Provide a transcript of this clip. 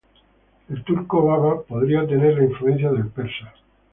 El turco "baba" podría tener la influencia del persa.